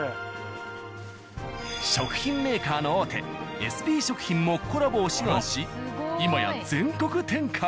食品メーカーの大手「エスビー食品」もコラボを志願し今や全国展開。